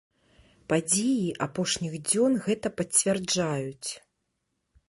Падзеі апошніх дзён гэта пацвярджаюць.